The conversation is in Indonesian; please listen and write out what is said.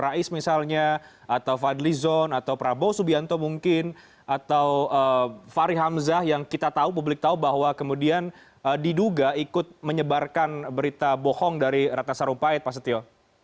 rais misalnya atau fadli zon atau prabowo subianto mungkin atau fahri hamzah yang kita tahu publik tahu bahwa kemudian diduga ikut menyebarkan berita bohong dari ratna sarumpait pak setio